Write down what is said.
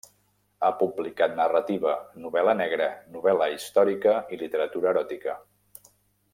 Ha publicat narrativa, novel·la negra, novel·la històrica i literatura eròtica.